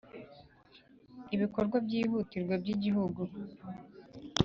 bikorwa byihutirwa by Igihugu